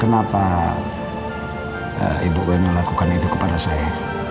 kenapa ibu melakukan itu kepada saya